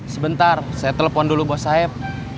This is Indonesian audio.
sebentar saya telepon dulu bos sayap